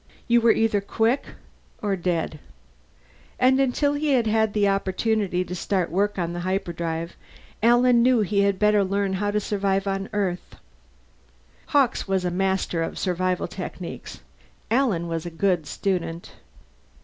You were either quick or dead. And until he had an opportunity to start work on the hyperdrive, Alan knew he had better learn how to survive on Earth. Hawkes was a master of survival techniques; Alan was a good student.